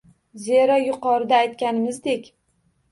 Zero, yuqorida aytganimizdek